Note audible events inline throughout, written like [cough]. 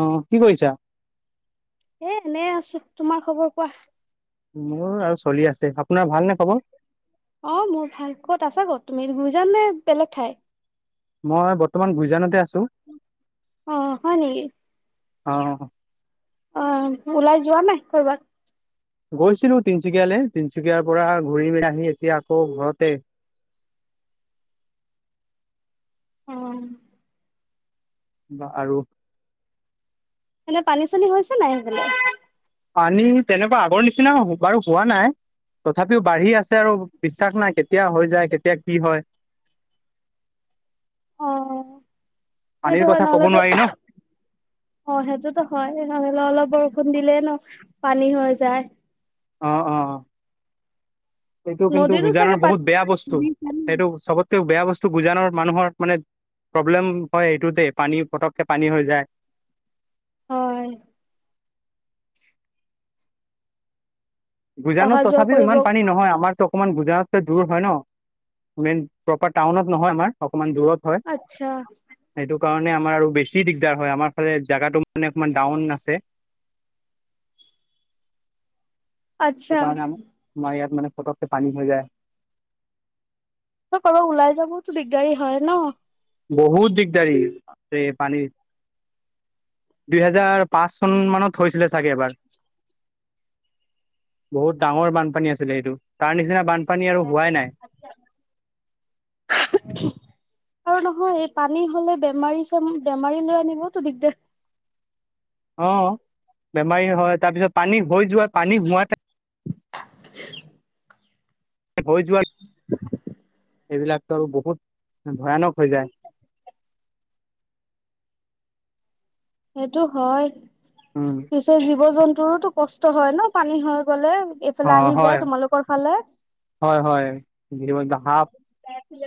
অঁ কি কৰিছা? এ এনেই আছো। তোমাৰ খবৰ কোৱা? মোৰ আৰু চলি আছে আপোনাৰ ভাল নে খবৰ। অ মোৰ ভাল ক'ত আছা ক'ত তুমি গুই যাম নে বেলেগ ঠাই। মই বৰ্তমান ভুইজানতে আছো অ হয় নেকি অ। অ ওলাই যোৱা নাই কৰ'বাত। গৈছিলো তিনচুকীয়ালে তিনচুকীয়াৰ পৰা ঘূৰি মেলি আহি এতিয়া আকৌ ঘৰতে। অ। বা আৰু। এনে পানী চানী হৈছে নাই সেইফালে। পানী তেনেকুৱা আগৰ নিচিনা বাৰু হোৱা নাই। তথাপিও বাঢ়ি আছে আৰু বিশ্বাস নাই কেতিয়া হৈ যায় কেতিয়া কি হয়। [unintelligible] অ পানীৰ সেটো হয় কথা ক'ব নহলেটো। নোৱাৰি ন। অ সেইটোতো হয় নহলেও অলপ বৰষুণ দিলে ন পানী হৈ যায়। অ অ এইটো কিন্তু নদীৰো উুজানৰ চাগে বহুত পানী বেয়া বস্তু সেইটো চবত। কে বেয়া বস্তু গুজানৰ মানুহৰ মানে প্ৰব্লেম হয় এইেইটোতে পানী পটককে পানী হৈ যায়। হয়। অহা গুজানত যোৱা তথাপিও কৰিব ইমান পানী নহয় আমাৰ। অকমান গুজৰাত দূৰ হয় ন মেইন প্ৰপাৰ টাউনত নহয় আমাৰ অকণমান দূৰত। হয় আচ্ছা। সেইটো কাৰণে আমাৰ আৰু বেছি দিগদাৰ হয় আমাৰ ফালে জেগাটো মানে অকমান ডাউন আছে। আচ্ছা সেইকাৰণেৰ মমাৰ ইয়াত মানে ফটকে পানী হৈ যায়। [inaudible] ওলাই যাবতো দিগদাৰী হয় ন বহুত দিগদাৰি ৰে পানীৰ। দুইহেজাৰ পাঁচ চন মানত হৈছিলে চাগে এবাৰ। বহুত ডাঙৰ বানপানী আছিলে এইটো তাৰ নিচিনা বানপানী আৰু হোৱাই নাই। [unintelligible] আৰু নহয় এই পানী হলে বেমাৰী চ বেমাৰী লৈ আনিবতো দিগদাৰ। অ বেমাৰী হয় তাৰ পিছত পানী হৈ যোৱা পানী হোৱাতে। [unintelligible] হৈ যোৱা এইবিলাকতো আৰু বহুত ভয়ানক হৈ যায়। সেইটো হয়। উম। সে জীৱ জন্তুৰো কষ্ট হয় ন পানী হৈ গলে অ এইফালে আহি হয় যায় তোমালোকৰ ফালে। হয় হয় [inaudible] সাপ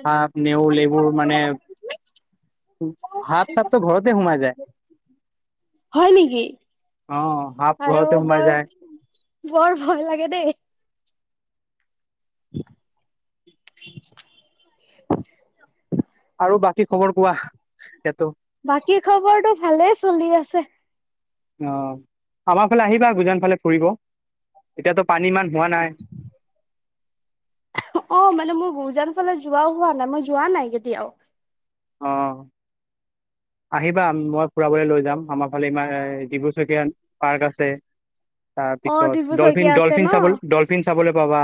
সাপ নেউল এইবোৰ মানে। সাপ চাপট ঘৰতে সোমাই যায়। হয় নেকি অ সাপ আয় ঘৰতে সোমাই বৰ। যায় বৰ ভয় লাগে দেই। [unintelligible] আৰু বাকী খবৰ কোৱা সেটো। বাকী খবৰটো ভালেই চলি আছে। অ আমাৰ ফালে আহিবা গুজান ফালে ফুৰিব এতিয়াতো পানী ইমান হোৱা নাই। অ মানে মোৰ গুজান ফালে যোৱাও হোৱা নাই মই যোৱা নাই কেতিয়াও। অ। আহিবা মই ফুৰাবলৈ লৈ যাম আমাৰ ফালে ইাৰ ডিবুচকীয়া পাৰ্ক আছে। তাৰ অ ডিব্ৰু পিছত ডলফিন চৈখীয়া আছে ন ডলফিন চাব ডলফিন চাবলৈ পাবা।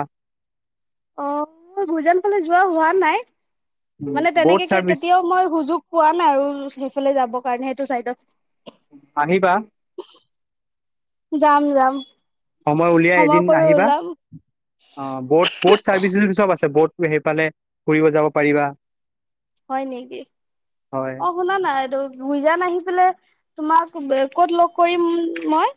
অ ভইজান ফালে যোৱা হোৱা নাই মানে ব'ট তেনেকে চাৰ্ভিচ কেতিয়াও মই সুযোগ- পোৱা নাই আৰু সেইফালে যাবৰ কাৰণে সেইটো চাইডত - আনিবা - যাম যাম। সময় উলিয়াই এদিন কৰি আহিবা - ওলাম অ বত ব'ট চাৰ্ভিচ চ চব আছে ব'ট সেইফালে ফুৰিব যাব পাৰিবা। হয় নেকি, হয় অ। শুনা না এইটো গুইজান আহি পেলাই তোমাক ক'ত লগ কৰিম মই?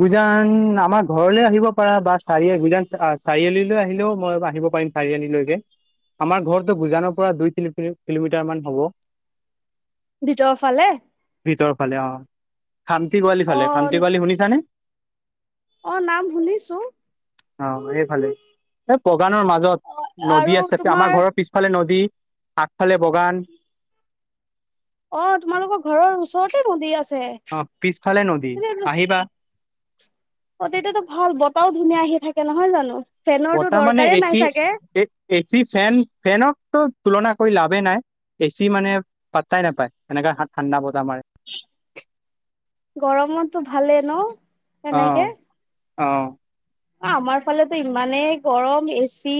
গুইজান আমাৰ ঘৰলৈ আহিব পাৰা বা চাৰি গুইজান চাৰিআলি আহিলেও মই আহিব পাৰিম। চাৰিআলিলৈকে আমাৰ ঘৰতো গুইজানৰ পৰা দুই কিলোমিটাৰ মান হ'ব। [inaudible] ভিতৰৰ ফালে। ভিতৰৰ ফালে অ খান্তি গোৱালি অ ফালে খান্তি গোৱালি শুনি - অ নাম শুনিছো। অ এই ভালেই এই বগানৰ অ মাজত নদী আৰু আছে তোমাৰ আমাৰ ঘৰৰ পিছ - পিছফালে নদী আগফালে বাগান। অ তোমালোকৰ ঘৰৰ ওচৰতে নদী আছে? অ পিছফালে নদী, আহিবা। অ তেতিয়াতো ভাল বতাহও ধুনীয়া আহি থাকে নহয় জানো, ফেনৰতো বতাহ মানে দৰকাৰে এচি নাই চাগে। এ চি ফেন ফেনক তো তুলনা কৰি লাভে নাই। এচি মানে পাত্তাই নাপায় এনেকাে ঠাণ্ডা বতাহ মাৰে। গৰমতো ভালেই ন এনেকে? অঁ। অ আমাৰ ফালেটো ইমানেই গৰম এচি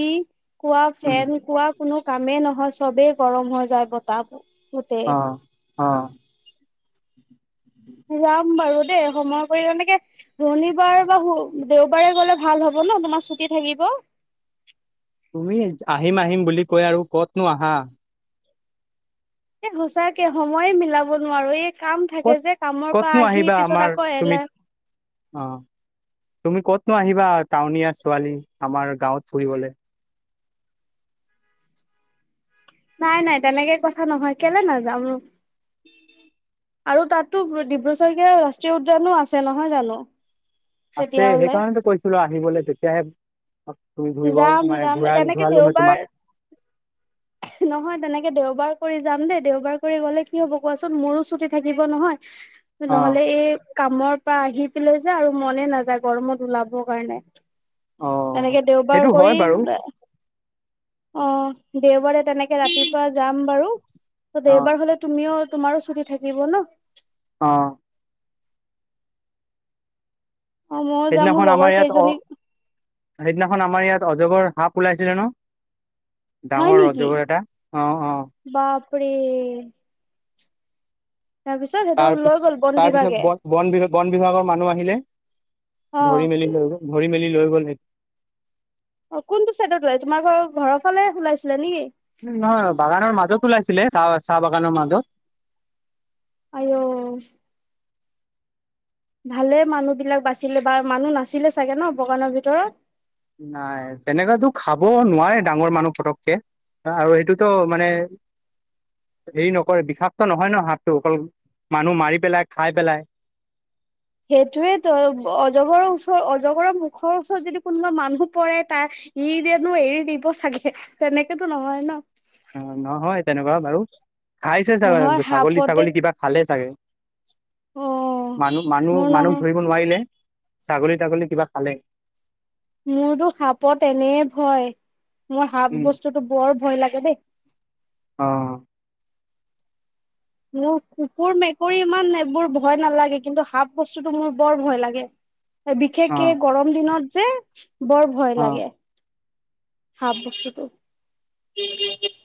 কোৱা উম ফেন কোৱা - কোনো কামেই নহয় চবেই গৰম হৈ যায় বতাবোৰ। অ অ। যাম বাৰু দেই সময় কৰি এনেকে - শনিবাৰ বা দেওবাৰে গলে ভাল হব ন তোমাৰ ছুটি থাকিব? তুমি আহিম আহিম বুলি কৈ আৰু কতনো আহা! এ সঁচাকে সময়ে মিলাব নোৱাৰো, এই - কাম ক'ত থাকে যে কামৰ পৰা ক'তনো আহি আহিবা আমাৰ পিছত আকৌ তুমি এলেহ - অ। তুমি ক'তনো আহিবা টাউনীয়া ছোৱালী আমাৰ গাঁৱত ফুৰিবল! নাই নাই তেনেকে কথা নহয় কেলে নাযাম নো! [unintelligible] আৰু তাতো ডিব্ৰুচৈখোৱা ৰাষ্ট্ৰীয় উদ্যানো আছে নহয় জানো? আছে তেতিয়াহলে সেইকাৰণেতো কৈছিলো আহিবলে তেতিয়াহে - তুমি ঘুৰিবাও যাম মানে যাম ঘূৰা তেনেকে ঘূৰালো হয় দেওবাৰ তোমাক। নহয় তেনেকে দেওবাৰ কৰি যাম দেই দেওবাৰ কৰি গলে কি হব কোৱাচোন মোৰো ছুটি থাকিব নহয়। [inaudible] নহ'লে এ - কামৰ পৰা আহি পেলাই যে আৰু মনে নাযায় গৰমত ওলাব কাৰণে। অ তেনেকে- দেওবাৰ সেইটো কৰি হয় বাৰু - অ দেওবাৰে তেনেকে ৰাতিপুৱা যাম বাৰু, অ দেওবাৰ হলে - তুমিও তোমাৰো ছুটি থাকিব ন। অ অ ময়ো যাম মোৰ সেইদিনাখন লগৰ আমাৰ ইয়াত অ কেইজনী সেইদিনাখন আমাৰ ইয়াত অজগৰ সাপ ওলাইছিলে ন ডাঙৰ ৰজগ এটা অ অ বাপৰি তাৰ পিত [unintelligible] তাৰপিছ তাৰপিছত বন বিভাগ বন বিভাগৰ মানুহ আহিলে অ ধৰি মেলি হৈ গৈ ঘৰি মেলি লৈ গ'লটো অ কোনটো চাইডত ওলাই তোমাৰ ঘৰ ঘৰৰ ফালে ওলাইছিলে নেকি উ নহয় বাগানৰ মাজত ওলাইছিলে চাহ চাহ বাগানৰ মাজত আ' [inaudible] ভালে মানুহ বিলাক বাচিলে বা মানুহ নাছিলে চাগে ন বগানৰ ভিতৰত নাই তেনেকাতো খাব নোৱাৰে ডাঙৰ মানুহ পটককে আৰু সেইটোতো মানে হেৰি নকৰে বিষাক্ত নহয় ন হাতটো অকল মানুহ মাৰি পেলাই খাই পেলাই সেইটোয়ে ত অজগৰৰ ওচৰত অজগৰৰ মুখৰ ওচৰত যদি কোনোবা মানুহ পৰে তাৰ ই যিয়েনো এৰি দিব চাগে তেনেকেতো নহয় ন অ নহয় তেনেকুৱা বাৰু খাইছে নহয় ছাগলী সাপতে ছাগলী কিবা ভালে চাগে অ' মানুহ মানুহ মোৰ মানুহ নহয় ধৰিব নোৱাৰিলে ছাগলী তাগলী কিবা খালে মোৰতো সাপত এনে ভয় মোৰ সাপ উম বস্তুতটো বৰ ভয় লাগে দেই অ মোৰ কুকুৰ মেকুৰী ইমান এইবোৰ ভয় নালাগে কিন্তু সাপ বস্তুতো মোৰ বৰ ভয় লাগে [inaudible] অ বিশেষকে গৰম দিনত যে বৰ ভয় অ লাগে হ বছুটো [inaudible]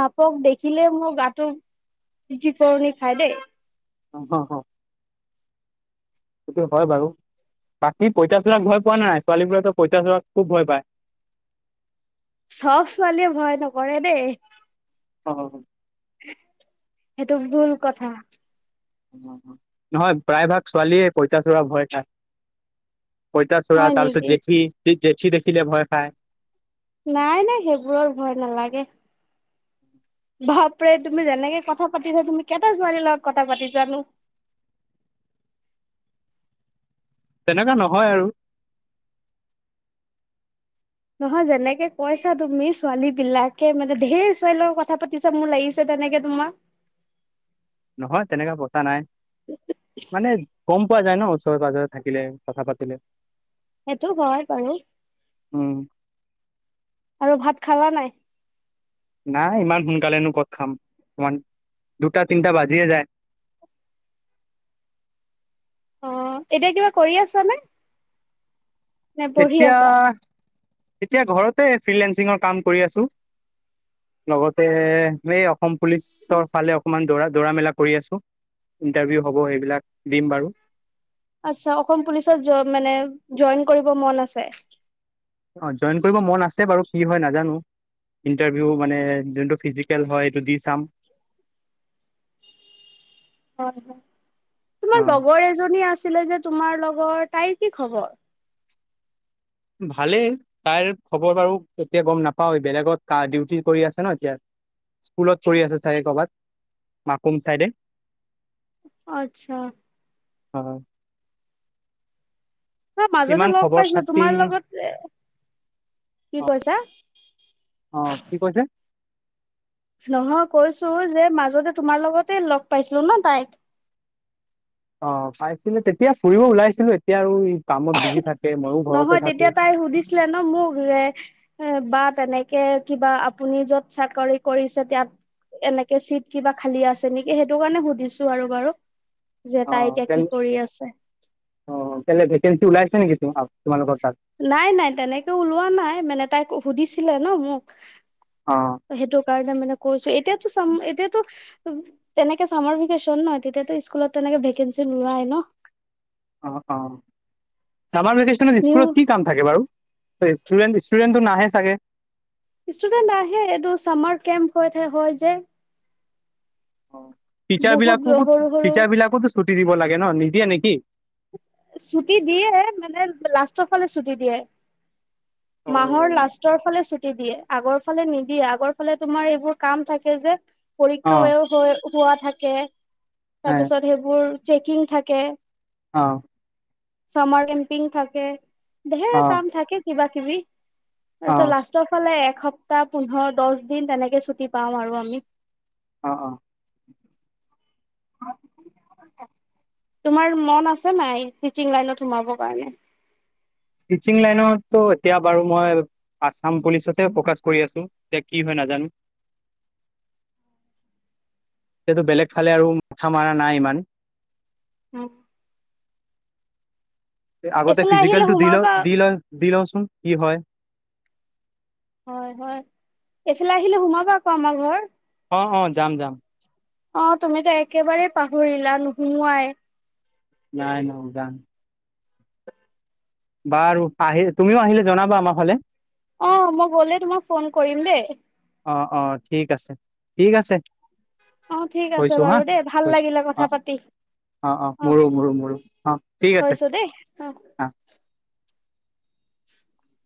ভাপক দেখিলে মোৰ গাটো জ কৰৰণি [unintelligible] খাই দেই অ হ হ সেইটো হয় বাৰু বাকী পইতাচোলাক ভয় পোৱা নাই ছোৱালীবোৰেতো পইতা চোলাক খুব ভয় পায় চব ছোৱালীয়ে ভয় নকৰে দেই অ সেইটো ভুল কথা নহয় প্ৰায় ভাগ ছোৱালীয়ে পইতাচোৰা ভয় খায় পঁইতা চোৰা হয় নেকি তাৰপিছত জেঠী জেঠী দেখিলে ভয় খায় নাই নাই সেইবোৰৰ ভয় নালাগে বাপৰে তুমি যেনেকে কথা পাতিছা তুমি কেইটা ছোৱালীৰ লগত কথা পাতি জানো তেনেককা [unintelligible] নহয় আৰু নহয় যেনেকে কৈছা তুমি ছোৱালী বিলাকে মানে ধঢেৰ [unintelligible] ছোৱাল লগত কথা পাতি কি চব মোৰ লাগিছে তেনেকে তোমাক নহয় তেনেককা পতা নাই মানে কম পোৱা যায় ন ওচৰে পাজজৰে থাকিলে কথা পাতিলে সেইটো হয় বাৰু অ আৰু ভাত খালা নাই নাই ইমান সোনকালেনো পদ খাম ইমান দুটা তিনিটা বাজিয়ে যায় অ এতিয়া কিবা কৰি আছ নে নে পঢ়ি এতিয়া', আছা এতিয়া ঘৰতে ফ্ৰিলেন্সিঙৰ কাম কৰি আছোঁ। লগতে, এই অসম পুলিচৰ ফালে অকমান দৌৰা দৌৰা-মেলা কৰি আছোঁ। ইণ্টাৰভিউ হ'ব সেইবিলাক, দিম বাৰু। আচ্ছা, অসম পুলিচত মানে জইন কৰিব মন আছে? অয়, জইন কৰিব মন আছে বাৰু, কি হয় নাজানো! ইণ্টাৰভিউ মানে যোনটো ফিজিকেল হয় এইটো দি চাম। হয় হয়। অ তোমাৰ লগৰ এজনী আছিলে যে তোমাৰ লগৰ, তাইৰ কি খবৰ? ভালেই। তাইৰ খবৰ বাৰু কেতিয়া গম নাপাওঁ, বেলেগত ডিউটি কৰি আছে ন এতিয়া। স্কুলত ছৰি আছে চাগে কৰ'বাত, মাকুম চাইডে। আচ্ছা! হয়। মাজতে ইমান লগ খবৰ পাইছো খাতি তোমাৰ লগত এ, কি কৈছা? অঁ, কি কৈছে? নহয় কৈছো যে মাজতে তোমাৰ লগতে লগ পাইছিলো ন' তাইক। অ পাইছিলে, তেতিয়া ফুৰিব ওলাইছিলো এতিয়া আৰু কামত বিজি থাকে, মইয়ো ঘৰতে থাকো। ট্ৰেন ম'ঘূৰাই এ বা তেনেকে কিবা আপুনি য'ত চাকৰি কৰিছে তিয়াত এনেকে চিট কিবা খালি আছে নেকি? সেইটো কাৰণে সুধিছো আৰু বাৰু। যে অ তাই এতিয়া কেল কি কৰি আছে! অ, কেলে ভেকেঞ্চি ওলাইছে নেকি তোমালোকৰ তাত? নাই-নাই তেনেকে ওলোৱা নাই মানে তাইক সুধিছিলে ন মোক। অঁ সেইটো কাৰণে মানে কৈছোঁ। এতিয়াতো চাম এতিয়াতো তেনেকে চামাৰ ভেকেচন নয়, তেতিয়াতু স্কুলত তেনেকে ভেকেঞ্চি নোৱাই ন! অঁ অঁ। চামাৰ ভেকেশ্যনত নিউ স্কুলত কি কাম থাকে বাৰু? ষ্টুডেণ্ট, ষ্টুডেণ্টটো নাহে চাগে? ষ্টুডেণ্ট আহে, এইটো চামাৰ কেম্প'পত হে হয় যে। অ পিচাৰ বহুত বিলাকোকু, সৰু সৰু পিচাৰ বিলাকুতো ছুটি দিব লাগে ন' নিদিয়ে নে'কি? ছুটি দিয়ে মানে লাষ্টৰ ফালে ছুটি দিয়ে। অ মাহৰ লাষ্টৰ ফালে ছুট টি দিয়ে, আগৰ ফালে নিদিয়ে, আগৰ ফালে তোমাৰ এইবোৰ কাম থাকে যে, অ পৰীক্ষাৱ হয় খোৱা থাকে, অ তাৰপিছত সেইবোৰ চেকিং থাকে অঁ চামাৰ কেম্পিং থাকে, ধেৰ কাম থাকে কিবা-কিবি। অ তাৰপিছত লাষ্টৰ ফালে একসপ্তাহ, পোন্ধৰ-দছ দিন তেনেকে ছুটি পাৱ আৰু আমি। অঁ অঁ। তোমাৰ মন আছে নাই? টিচিং লাইনত সোমাব কাৰণে। টিচিং লাইনত'তো এতিয়া বাৰু মই আছাম পুলিচতে প্ৰকাশ কৰি আছোঁ, তিয়া কি হয় নাজানো! সেতটো বেলেগ ফালে আৰু মাথা মাৰা নাই ইমান। উম আগতে এইফালে আহিলে ফিজিকেলটো দি'ল সোমাবা দি'লন দি'ল‌ওচোন, কি হয়! হয় হয়। এইফালে আহিলে সোমাবা আকৌ আমাৰ ঘৰ। হঁ হঁ, যাম যাম। অ তুমিতো একেবাৰেই পাহৰিলা নুসুমোৱাই। নাই নজাং। বাৰু আহি তুমিও আহিলে জনাবা আমাৰ ফালে। অ মই গ'লে তোমাক ফোন কৰিম দেই। অ অ ঠিক আছে ঠিক আছে। অ ঠিক আছে থৈছো হা বাৰু দেই ভাল থৈছো লাগিলে অ কথা পাতি। অ অ মোৰো মোৰো মোৰো অ ঠিক আছে। থৈছো দেই অ। [inaudible]